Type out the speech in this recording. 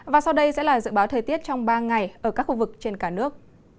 và sau đây sẽ là dự báo thời tiết trong ba ngày ở các khu vực trên cả nước